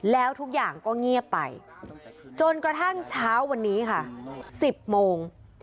แล้วทุกอย่างก็เงียบไปจนกระทั่งเช้าวันนี้ค่ะ๑๐โมง